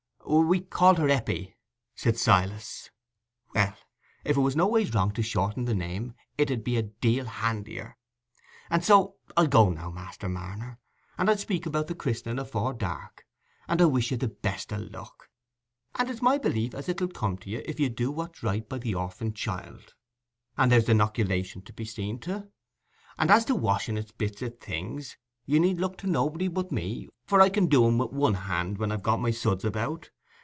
"We called her Eppie," said Silas. "Well, if it was noways wrong to shorten the name, it 'ud be a deal handier. And so I'll go now, Master Marner, and I'll speak about the christening afore dark; and I wish you the best o' luck, and it's my belief as it'll come to you, if you do what's right by the orphin child;—and there's the 'noculation to be seen to; and as to washing its bits o' things, you need look to nobody but me, for I can do 'em wi' one hand when I've got my suds about.